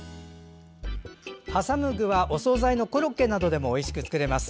挟む具はお総菜のコロッケなどでもおいしく作れます。